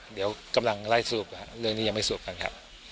เดี๋ยวกำลังไล่สรุปเรื่องนี้ยังไม่สรุปกันครับ